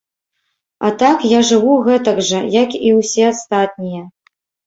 А так я жыву гэтак жа, як і ўсе астатнія.